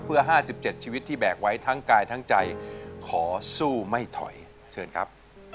เพื่อ๕๗ชีวิตที่แบกไว้ทั้งกายทั้งใจขอสู้ไม่ถอยเชิญครับ